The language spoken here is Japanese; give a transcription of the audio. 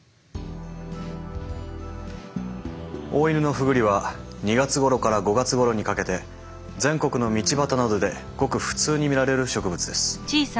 オオイヌノフグリは２月ごろから５月ごろにかけて全国の道端などでごく普通に見られる植物です。